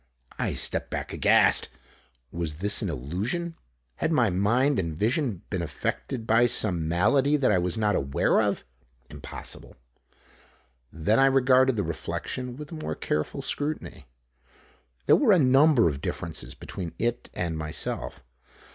I stepped back aghast. Was this an illusion? Had my mind and vision been affected by some malady that I was not aware of? Impossible! Then I regarded the reflection with a more careful scrutiny. There were a number of differences between it and myself.